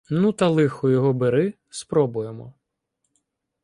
Ну, та лихо його бери — спробуємо.